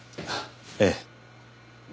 ええ。